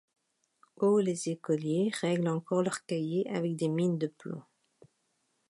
Au les écoliers règlent encore leurs cahiers avec des mines de plomb.